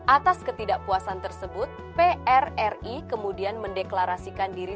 atas ketidakpuasan tersebut prri kemudian mendeklarasikan diri